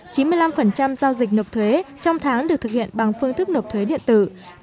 chín mươi năm giao dịch nộp thuế trong tháng được thực hiện bằng phương thức nộp thuế điện tử